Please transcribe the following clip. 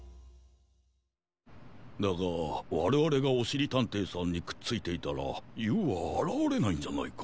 だがわれわれがおしりたんていさんにくっついていたらＵはあらわれないんじゃないか？